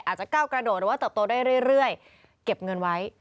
อาจจะก้าวกระโดดหรือว่าเติบโตได้เรื่อยเก็บเงินไว้